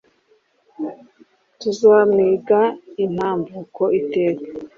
tuzamwiga intambuko iteka